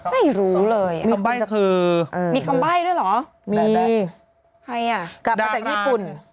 ไม่รู้เลยคำคือเออมีคำใจด้วยเหรอมีใครอ่ะกลับมาจากญี่ปุน